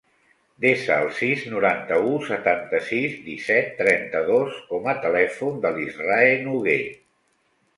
Desa el sis, noranta-u, setanta-sis, disset, trenta-dos com a telèfon de l'Israe Noguer.